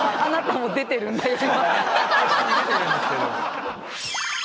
一緒に出てるんですけど。